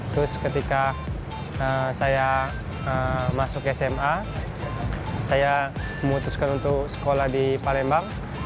terus ketika saya masuk sma saya memutuskan untuk sekolah di palembang